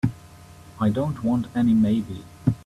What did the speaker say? I don't want any maybe.